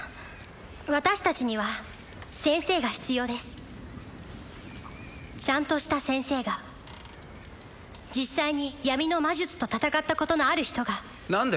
私たちには先生が必要ですちゃんとした先生が実際に闇の魔術と戦ったことのある人がなんで？